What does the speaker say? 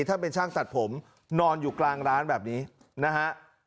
ท่านเป็นช่างตัดผมนอนอยู่กลางร้านแบบนี้นะฮะ